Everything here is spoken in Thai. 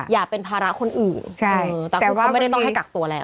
อย่าเป็นภาระคนอื่นแต่คือเขาไม่ได้ต้องให้กักตัวแล้ว